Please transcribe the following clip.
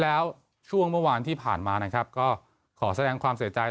แล้วช่วงเมื่อวานที่ผ่านมานะครับก็ขอแสดงความเสียใจ